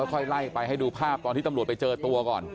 ค่อยไล่ไปให้ดูภาพตอนที่ตำรวจไปเจอตัวก่อน